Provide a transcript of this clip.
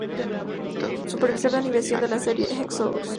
Supervisor de animación de la serie Exodus!